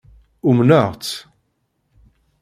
Umneɣ-tt.